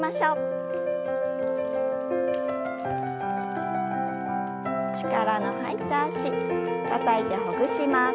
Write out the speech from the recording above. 力の入った脚たたいてほぐします。